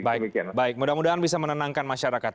baik baik mudah mudahan bisa menenangkan masyarakat